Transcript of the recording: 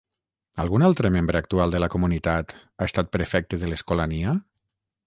Algun altre membre actual de la comunitat ha estat prefecte de l'Escolania?